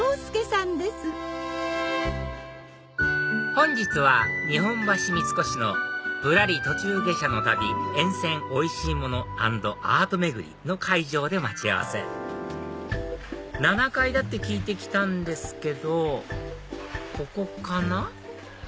本日は日本橋三越の「『ぶらり途中下車の旅』沿線おいしいもの＆アート巡り」の会場で待ち合わせ７階だって聞いてきたんですけどここかな？